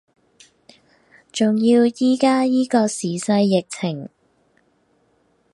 仲要依家依個時勢疫情